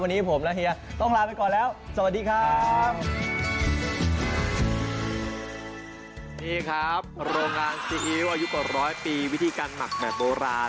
วันนี้ผมและเฮียต้องลาไปก่อนแล้วสวัสดีครับ